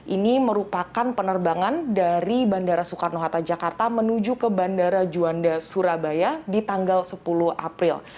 ini merupakan penerbangan dari bandara soekarno hatta jakarta menuju ke bandara juanda surabaya di tanggal sepuluh april